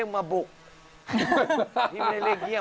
อย่างงี้